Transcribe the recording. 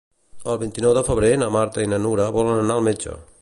El vint-i-nou de febrer na Marta i na Nura volen anar al metge.